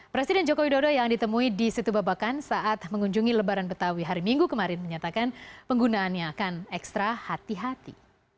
presiden jokowi dodo yang ditemui di situ babakan saat mengunjungi lebaran betawi hari minggu kemarin menyatakan penggunaannya akan ekstra hati hati